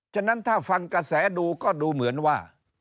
ฉะนั้นถ้าฟังกระแสดูก็ดูเหมือนว่า